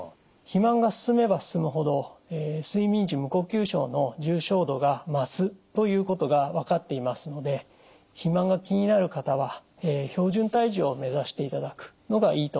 肥満が進めば進むほど睡眠時無呼吸症の重症度が増すということが分かっていますので肥満が気になる方は標準体重を目指していただくのがいいと思います。